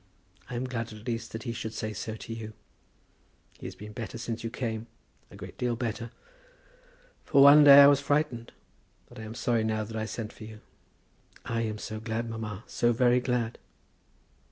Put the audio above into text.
I am glad at least that he should say so to you. He has been better since you came; a great deal better. For one day I was frightened; but I am sorry now that I sent for you." "I am so glad, mamma; so very glad."